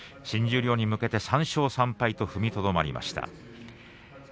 新十両に向けて３勝３敗、踏みとどまりました。